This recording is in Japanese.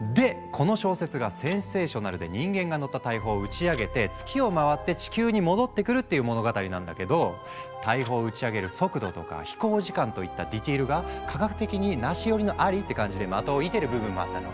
この小説がセンセーショナルで人間が乗った大砲を打ち上げて月を回って地球に戻ってくるっていう物語なんだけど大砲を打ち上げる速度とか飛行時間といったディテールが科学的にナシ寄りのアリって感じで的を射てる部分もあったの。